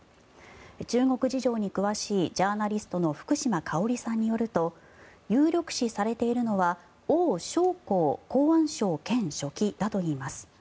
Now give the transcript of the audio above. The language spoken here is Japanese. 中国事情に詳しいジャーナリストの福島香織さんによると有力視されているのはオウ・ショウコウ公安相兼書記だといいます。